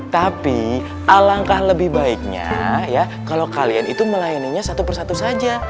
tapi alangkah lebih baiknya ya kalau kalian itu melayaninya satu persatu saja